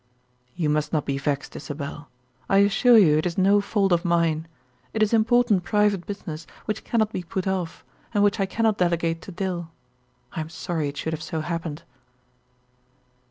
"You must not be vexed, Isabel. I assure you it is no fault of mine. It is important private business which cannot be put off, and which I cannot delegate to Dill. I am sorry it should have so happened."